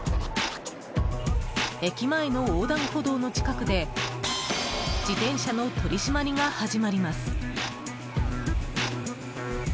駅前の横断歩道の近くで自転車の取り締まりが始まります。